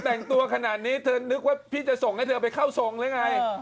แต่งตัวขนาดนี้เธอนึกว่าพี่จะส่งให้เธอไปเข้าทรงหรือไง